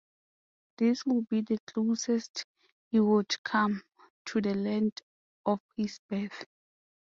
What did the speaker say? This would be the closest he would come to the land of his birth.